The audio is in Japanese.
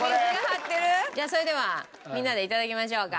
じゃあそれではみんなで頂きましょうか。